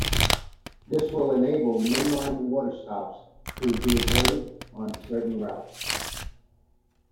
This will enable mainline water-stops to be avoided on certain routes.